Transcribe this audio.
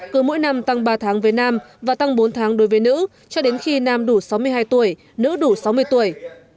cứ mỗi năm tăng ba tháng với nam và tăng bốn tháng đối với nữ cho đến khi nam đủ sáu mươi hai tuổi nữ đủ sáu mươi tuổi